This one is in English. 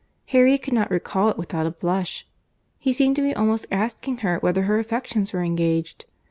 —(Harriet could not recall it without a blush.) He seemed to be almost asking her, whether her affections were engaged.